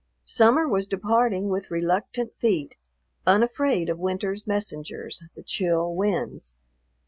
Summer was departing with reluctant feet, unafraid of Winter's messengers, the chill winds.